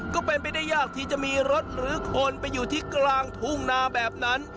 ก็เป็นไปได้ยากที่จะมีรถหรือคนไปอยู่ที่กลางทุ่งนาแบบนั้น